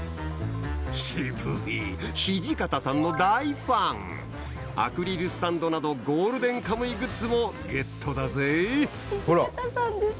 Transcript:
渋い土方さんの大ファンアクリルスタンドなどゴールデンカムイグッズもゲットだぜ土方さんです。